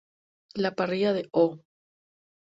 La parrilla de "Oh!